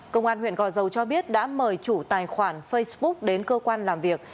công an huyện gò dầu cho biết đã mời chủ tài khoản facebook đến cơ quan làm việc